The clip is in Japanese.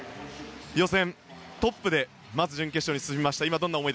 予選トップでまず準決勝に進みました。